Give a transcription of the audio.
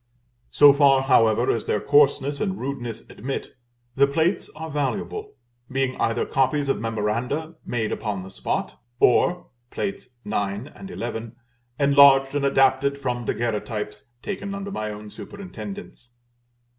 So far, however, as their coarseness and rudeness admit, the plates are valuable; being either copies of memoranda made upon the spot, or (Plates IX. and XI.) enlarged and adapted from Daguerreotypes, taken under my own superintendence.